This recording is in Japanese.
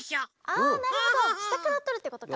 あなるほどしたからとるってことか。